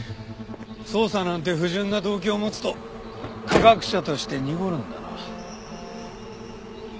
捜査なんて不純な動機を持つと科学者として濁るんだな。